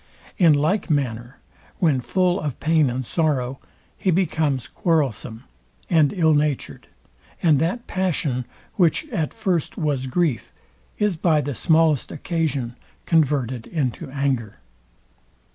In like manner, when full of pain and sorrow, he becomes quarrelsome and ill natured; and that passion; which at first was grief, is by the smallest occasion converted into anger.